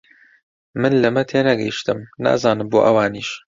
من لەمە تێنەگەیشتم، نازانم بۆ ئەوانیش